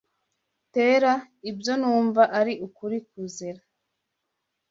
'Tera ibyo numva ari ukuri kuzera